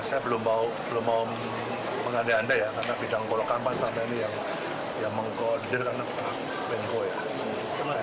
saya belum mau mengandai andai ya karena bidang polokampan sampai ini yang mengkoordirkan pak menko ya